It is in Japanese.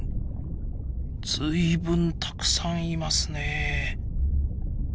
随分たくさんいますねえ！